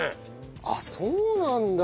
あっそうなんだ！